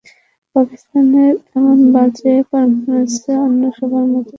পাকিস্তানের এমন বাজে পারফরম্যান্সে অন্য সবার মতো ব্যথিত পেসার ওয়াহাব রিয়াজও।